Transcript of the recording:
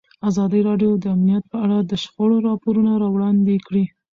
ازادي راډیو د امنیت په اړه د شخړو راپورونه وړاندې کړي.